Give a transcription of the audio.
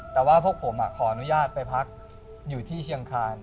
แต่ว่าพวกผมขออนุญาตไปพักอยู่ที่เชียงคาน